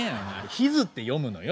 「ヒズ」って読むのよ。